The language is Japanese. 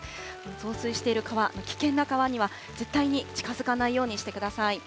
増水している川、危険な川には絶対に近づかないようにしてください。